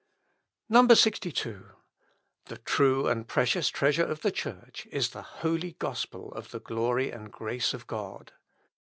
62. "The true and precious treasure of the Church is the holy gospel of the glory and grace of God.